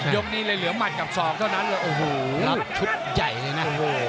ยกนี้เลยเหลือหมัดกับส่องเท่านั้นแล้วชุดใหญ่เลยนะ